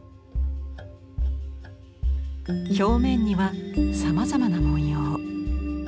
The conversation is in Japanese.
表面にはさまざまな文様。